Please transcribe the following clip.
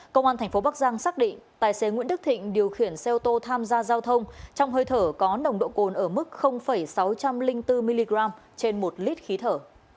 công an tp bắc giang xác định tài xế nguyễn đức thịnh điều khiển xe ô tô tham gia giao thông trong hơi thở có nồng độ cồn ở mức sáu trăm linh bốn mg trên một lít khí thở